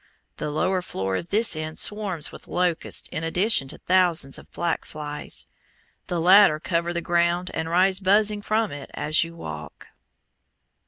The lower floor of this inn swarms with locusts in addition to thousands of black flies. The latter cover the ground and rise buzzing from it as you walk.